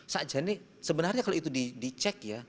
saat jadinya sebenarnya kalau itu dicek ya